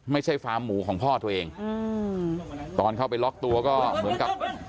ไม่ใช่ฟามหมูของพ่อตัวเองตอนเข้าไปล๊อกตัวก็เหมือนกับ